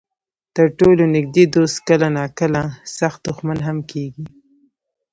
تر ټولو نږدې دوست کله ناکله سخت دښمن هم کېږي.